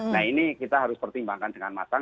nah ini kita harus pertimbangkan dengan matang